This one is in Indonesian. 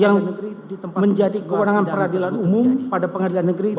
yang menjadi kewenangan peradilan umum pada pengadilan negeri